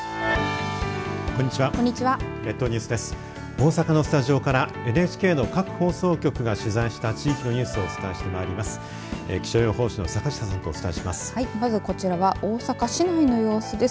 大阪のスタジオからＮＨＫの各放送局が取材した地域のニュースをお伝えしてまいります。